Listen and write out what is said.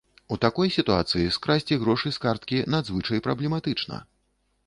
У такой сітуацыі скрасці грошы з карткі надзвычай праблематычна.